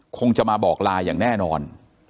คงจะมาบอกลาอย่างแน่นอน